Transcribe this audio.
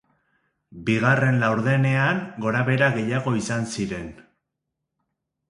Bigarren laurdenean gorabehera gehiago izan ziren.